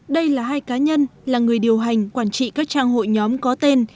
đây là hai cá nhân là người điều hành quản trị các trang hội nhóm có tên